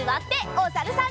おさるさん。